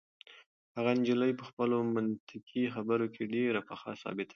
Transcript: هغه نجلۍ په خپلو منطقي خبرو کې ډېره پخه ثابته شوه.